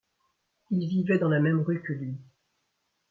Il vivait dans la même rue que lui.